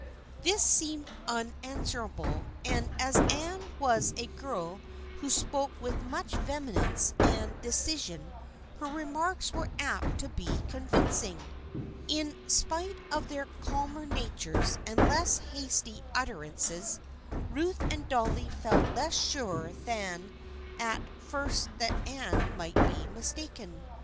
" This seemed unanswerable, and as Anne was a girl who spoke with much vehemence and de cision her remarks were apt to be convincing. In spite of their calmer natures and less hasty utter ances, Ruth and Dolly felt less sure than at first that Anne might be mistaken.